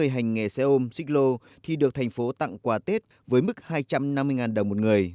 hai mươi hành nghề xe ôm xích lô thì được thành phố tặng quà tết với mức hai trăm năm mươi đồng một người